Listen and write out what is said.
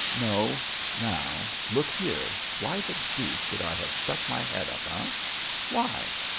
No, now, look here, why the deuce should I have stuck my head up, eh? Why?